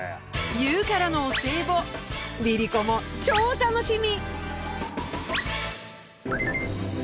ＹＯＵからのお歳暮ＬｉＬｉＣｏも超楽しみ！